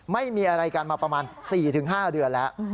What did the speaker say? ไม่มีอะไรกันมาประมาณ๔๕เดือนแล้ว